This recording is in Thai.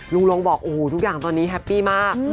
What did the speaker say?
ลงบอกโอ้โหทุกอย่างตอนนี้แฮปปี้มาก